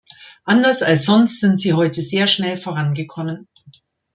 Anders als sonst sind Sie heute sehr schnell vorangekommen.